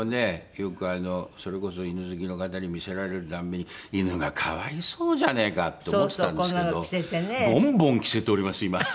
よくそれこそ犬好きの方に見せられるたびに犬が可哀想じゃねえかって思ってたんですけどボンボン着せております今。